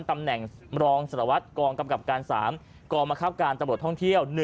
ตำแหน่งรองสารวัตรกองกำกับการ๓กองบังคับการตำรวจท่องเที่ยว๑